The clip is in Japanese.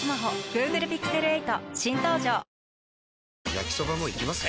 焼きソバもいきます？